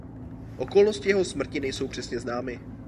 Okolnosti jeho smrti nejsou přesně známy.